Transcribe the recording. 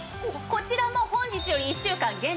こちらも本日より１週間限定。